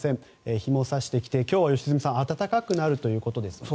日も差してきて今日は良純さん暖かくなるということですね。